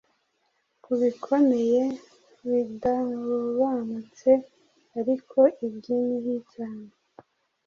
Kubikomeye bidaobanute, ariko ibyinhi cyane